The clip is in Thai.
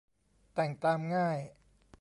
แต่งตามง่าย